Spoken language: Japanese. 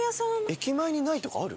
駅前にないとかある？